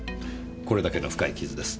これだけの深い傷です。